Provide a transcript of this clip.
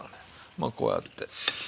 まあこうやって。